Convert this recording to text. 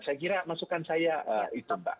saya kira masukan saya itu mbak